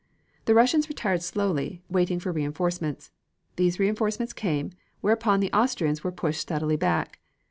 The Russians retired slowly, waiting for reinforcements. These reinforcements came, whereupon the Austrians were pushed steadily back.